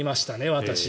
私。